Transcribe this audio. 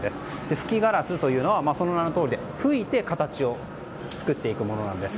吹きガラスというのはその名のとおりで吹いて形を作っていくものなんです。